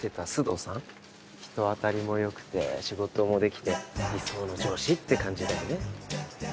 人当たりも良くて仕事もできて理想の上司って感じだよね。